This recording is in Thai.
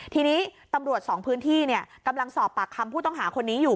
ทีนี้ตำรวจสองพื้นที่กำลังสอบปากคำผู้ต้องหาคนนี้อยู่